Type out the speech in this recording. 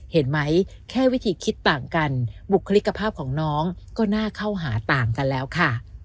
เห็นไหมแค่วิธีคิดต่างกันบุคลิกภาพของน้องก็น่าเข้าหาต่างกันแล้วค่ะ